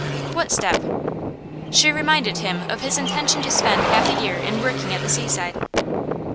'What step?' She reminded him of his intention to spend half a year in working at the seaside.